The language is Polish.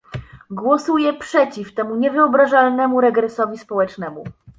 Głosuję przeciw temu niewyobrażalnemu regresowi społecznemu